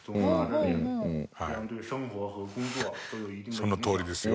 そのとおりですよ。